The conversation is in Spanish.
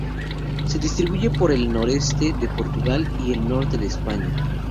Se distribuye por el noreste de Portugal y el norte de España.